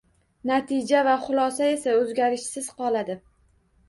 Natija va xulosa esa o’zgarishsiz qoladi